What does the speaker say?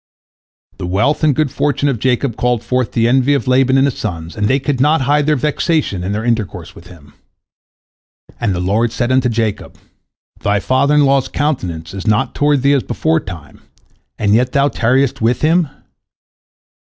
The wealth and good fortune of Jacob called forth the envy of Laban and his sons, and they could not hide their vexation in their intercourse with him. And the Lord said unto Jacob, "Thy father in law's countenance is not toward thee as beforetime, and yet thou tarriest with him?